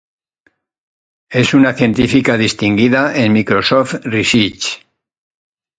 Es una científica distinguida en Microsoft Research.